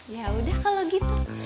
ya udah kalau gitu